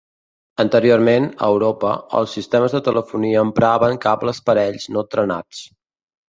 Anteriorment, a Europa, els sistemes de telefonia empraven cables parells no trenats.